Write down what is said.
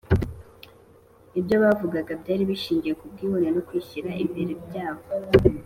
. Ibyo bavugaga byari bishingiye ku bwibone no kwishyira imbere byabo.